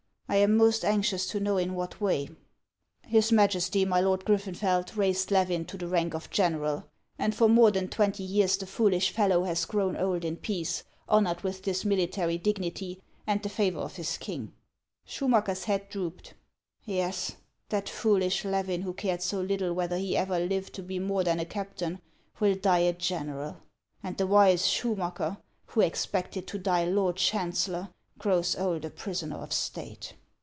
I am most anxious to know in what way." " His Majesty, my lord Griffenfeld, raised Levin to the rank of general, and for more than twenty years the fool ish fellow has grown old in peace, honored with this military dignity and the favor of his king." Sebum acker's head drooped. " Yes ; that foolish Levin, who cared so little whether he ever lived to be more than a captain, will die a gen eral ; and the wise Sclmmacker, who expected to die Lord Chancellor, grows old a prisoner of State."